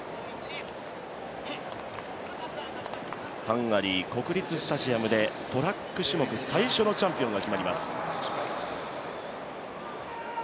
ハンガリー国立スタジアムでトラック種目最初のチャンピオンが決まります。